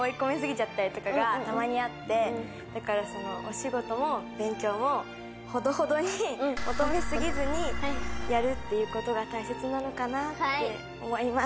だからお仕事も勉強もほどほどに求め過ぎずにやるということが大切なのかなって思います。